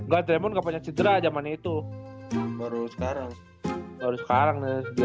gak ada yang tidak cedera zamannya itu baru sekarang baru sekarang dia cedera ya intinya